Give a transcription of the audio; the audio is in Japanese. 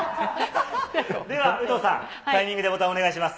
では有働さん、タイミングでボタンをお願いします。